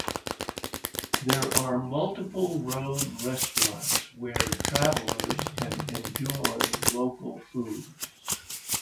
There are multiple road restaurants where travelers can enjoy local foods.